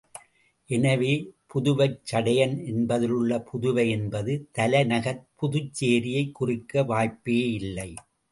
எனவே, புதுவைச் சடையன் என்பதிலுள்ள புதுவை என்பது, தலைநகர்ப் புதுச்சேரியைக் குறிக்க வாய்ப்பேயில்லை.